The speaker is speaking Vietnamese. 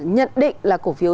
nhận định là cổ phiếu